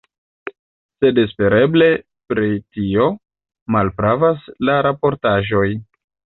Sed espereble pri tio malpravas la raportaĵoj.